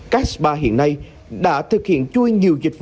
các spa hiện nay đã thực hiện chui nhiều dịch vụ